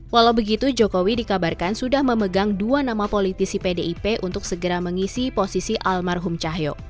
walau begitu jokowi dikabarkan sudah memegang dua nama politisi pdip untuk segera mengisi posisi almarhum cahyo